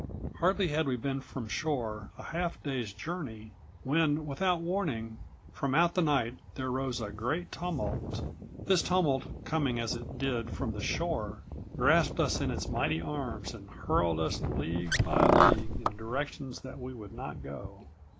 Hardly had we been from shore a half day's journey, when, without warning, from out the night there rose a great tumult. This tumult, coming as it did from the shore, grasped us in118 its mighty arms and hurled us league by league in directions that we would not go.